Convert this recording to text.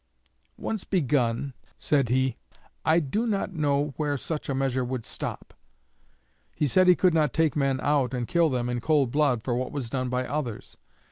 'Once begun,' said he, 'I do not know where such a measure would stop.' He said he could not take men out and kill them in cold blood for what was done by others.